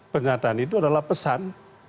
pernyataan itu adalah pesan